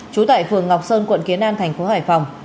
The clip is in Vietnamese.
trú tại phường ngọc sơn quận kiến an thành phố hải phòng